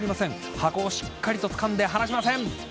箱をしっかりとつかんで離しません。